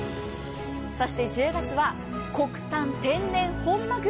そして１０月は国産天然本まぐろ。